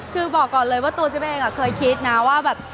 คือบอกก่อนเลยว่าตัวจิ๊บเองเคยคิดนะว่าแบบ